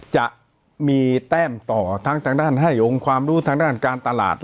จะมีแต้มต่อทั้งทางด้านให้องค์ความรู้ทางด้านการตลาด